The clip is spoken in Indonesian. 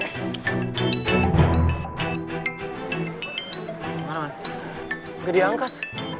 gimana man gak diangkat